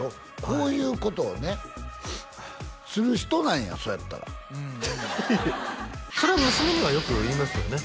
こういうことをねする人なんやそれやったらそれは娘にはよく言いますよね